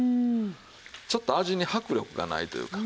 ちょっと味に迫力がないというか。